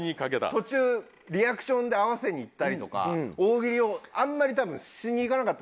途中リアクションで合わせにいったりとか大喜利をあんまり多分しにいかなかった。